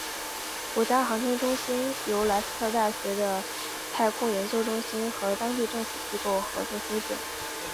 国家航天中心由莱斯特大学的太空研究中心和当地政府机构合作修建。